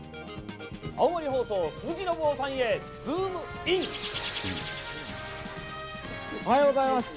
青森放送、鈴木伸夫さんへ、おはようございます。